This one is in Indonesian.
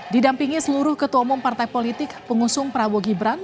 didampingi seluruh ketua umum partai politik pengusung prabowo gibran